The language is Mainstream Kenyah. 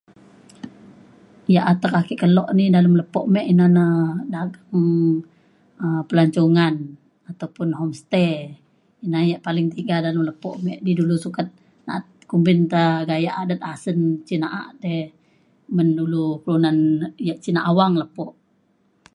yak atek ake kelo ni dalem lepo me ina na dagang um pelancongan ataupun homestay ina yak paling tiga dalem lepo me di dulu sukat na’at kumbin ta gayak adet asen cin na’a te ban dulu kelunan na’at cin awang lepo